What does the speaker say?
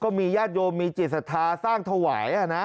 ก็มีญาติโยมมีจิตศาสตร์สร้างถวาย